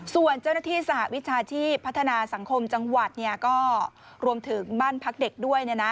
ส่วนเจ้าหน้าที่สหวิชาชีพพัฒนาสังคมจังหวัดก็รวมถึงบ้านพักเด็กด้วย